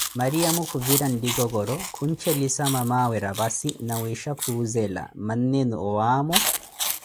Mariamo khuvira nlikokoroh khuntxelissa mamawe rapassi, nawisha kumuhʼzela: mwaneenu owaamo?